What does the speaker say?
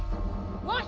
bos lekin banyak banyak